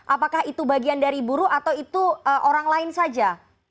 apakah itu bagian dari buruh atau itu orang lain saja